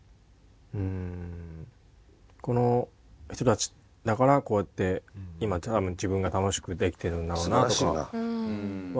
この人たちだからこうやって今自分が楽しくできてるんだろうなとかは改めて思いますけどね。